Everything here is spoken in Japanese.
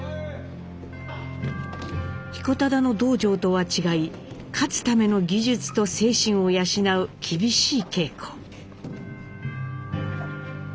彦忠の道場とは違い勝つための技術と精神を養う厳しい稽古。